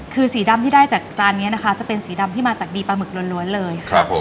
คือสีดำที่ได้จากจานนี้นะคะจะเป็นสีดำที่มาจากบีปลาหมึกล้วนเลยค่ะ